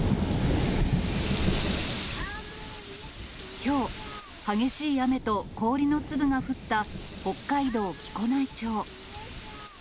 きょう、激しい雨と氷の粒が降った北海道木古内町。